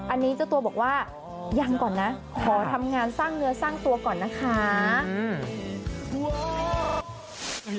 อันนี้เจ้าตัวบอกว่ายังก่อนนะขอทำงานสร้างเนื้อสร้างตัวก่อนนะคะ